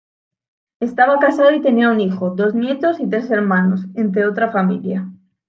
Estaba casado y tenía un hijo, dos nietos y tres hermanos, entre otra familia.